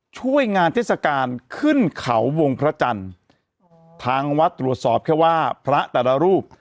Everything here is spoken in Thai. ช่วยงานเทศกาลขึ้นเขาวงพระจันทร์ทางวัดตรวจสอบแค่ว่าพระแต่ละรูป